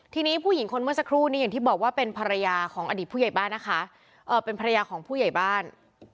ทีนี้ผู้หญิงคนเมื่อสักครู่นี้อย่างที่บอกว่าเป็นภรรยาของอดีตผู้ใหญ่บ้านนะคะเป็นภรรยาของผู้ใหญ่บ้าน